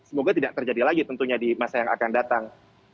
semoga tidak terjadi lagi tentunya di masa yang akan datang